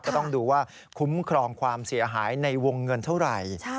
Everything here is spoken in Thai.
ก็ต้องดูว่าคุ้มครองความเสียหายในวงเงินเท่าไหร่